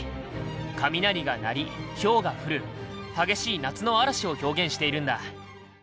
雷が鳴りヒョウが降る激しい夏の嵐を表現しているんだ。